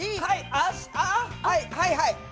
はいはい！